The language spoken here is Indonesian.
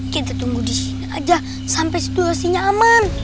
kita tunggu disini aja sampai situasinya aman